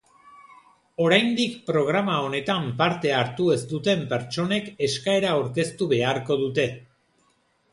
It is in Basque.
Oraindik programa honetan parte hartu ez duten pertsonek eskaera aurkeztu beharko dute.